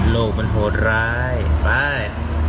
โลกมันโหดร้ายไป